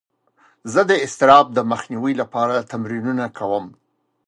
زه د اضطراب د مخنیوي لپاره تمرینونه کوم.